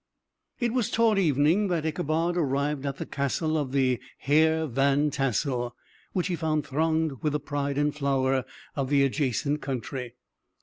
It was toward evening that Ichabod arrived at the castle of the Heer Van Tassel, which he found thronged with the pride and flower of the adjacent country.